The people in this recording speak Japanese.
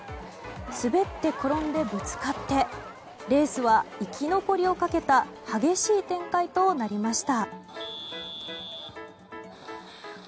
滑って、転んで、ぶつかってレースは生き残りをかけた激しい展開となりました。